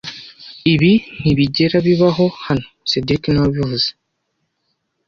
Ibi ntibigera bibaho hano cedric niwe wabivuze